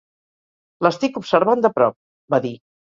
"L'estic observant de prop", va dir.